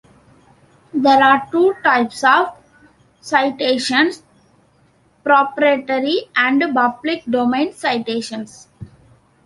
There are two types of citations: proprietary and public domain citations.